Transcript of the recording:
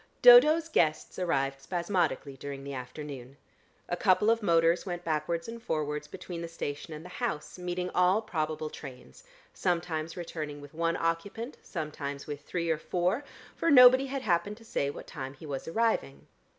Dodo's guests arrived spasmodically during the afternoon. A couple of motors went backwards and forwards between the station and the house, meeting all probable trains, sometimes returning with one occupant, sometimes with three or four, for nobody had happened to say what time he was arriving.